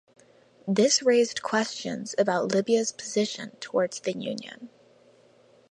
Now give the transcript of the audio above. This raised questions about Libya's position towards the Union.